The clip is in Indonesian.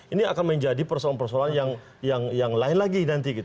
ini akan menjadi persoalan persoalan yang lain lagi nanti